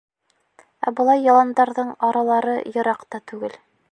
Ә былай яландарҙың аралары йыраҡ та түгел.